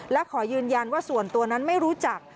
และขอยืนยันว่าส่วนตัวนั้นไม่รู้จัก